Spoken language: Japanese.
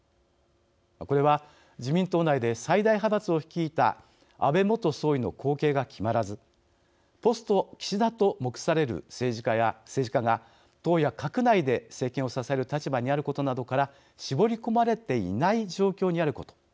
これは、自民党内で最大派閥を率いた安倍元総理の後継が決まらずポスト岸田と目される政治家が党や閣内で政権を支える立場にあることなどから絞り込まれていない状況にあること。